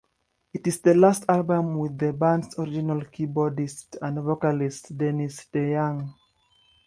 It is the last album with the band's original keyboardist and vocalist, Dennis DeYoung.